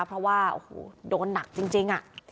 เพราะว่าโดนหนักจริงอ่ะ